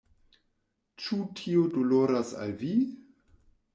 Ĉu tio doloras al vi?